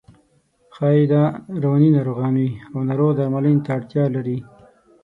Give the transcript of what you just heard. ښایي دا رواني ناروغان وي او ناروغ درملنې ته اړتیا لري.